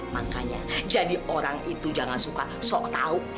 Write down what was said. makanya jadi orang itu jangan suka sok tahu